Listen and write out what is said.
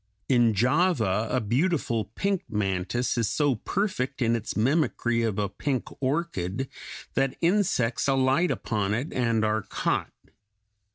In Java a beautiful pink mantis is so perfect in its mimicry of a pink orchid that insects alight upon it and are caught.